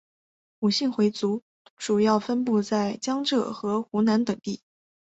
伍姓回族主要分布在江浙和湖南等地。